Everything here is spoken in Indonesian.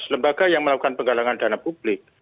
lembaga yang melakukan penggalangan dana publik